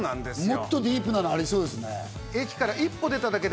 もっとディープなのありますすよね。